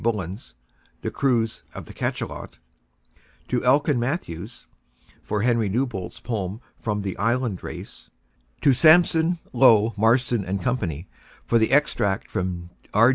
Bullen's "The Cruise of the Cachalot"; to Elkin Mathews for Henry Newbolt's poem from "The Island Race"; to Sampson Low, Marston & Company for the extract from R.